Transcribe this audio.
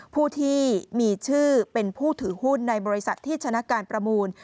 ผู้ที่มีชื่อเป็นผู้ถือหุ้นในบริษัทที่ชนะการประมูล